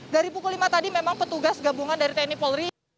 dari pukul lima tadi memang petugas gabungan dari tni polri